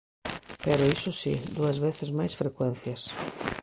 Pero, iso si, dúas veces máis frecuencias.